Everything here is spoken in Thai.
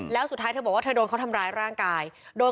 แล้วสุดท้ายเธอบอกว่าเธอโดนเขาทำร้ายร่างกาย